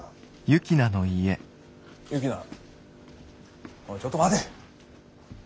雪菜おいちょっと待て。